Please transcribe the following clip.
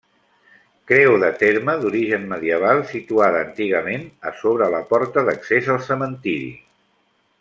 Creu de terme d'origen medieval, situada antigament a sobre la porta d'accés al cementiri.